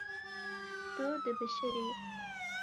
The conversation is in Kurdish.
Tu dibişirî.